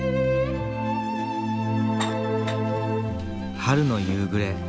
春の夕暮れ。